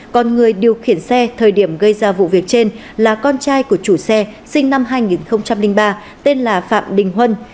còn người điều khiển xe thời điểm gây ra vụ việc trên là con trai của chủ xe sinh năm hai nghìn ba tên là phạm đình huân